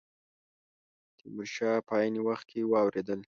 تیمور شاه په عین وخت کې واورېدل.